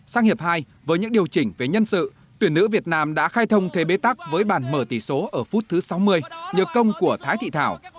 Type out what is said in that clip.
sang hiệp hai với những điều chỉnh về nhân sự tuyển nữ việt nam đã khai thông thế bế tắc với bàn mở tỷ số ở phút thứ sáu mươi nhờ công của thái thị thảo